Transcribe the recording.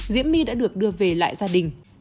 diễm my đã được đưa về lại gia đình